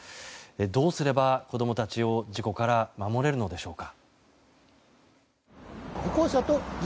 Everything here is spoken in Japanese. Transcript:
どうすれば子供たちを事故から守れるのでしょうか。